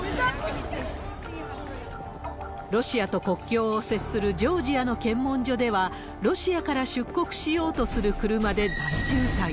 ロシアと国境を接するジョージアの検問所では、ロシアから出国しようとする車で大渋滞。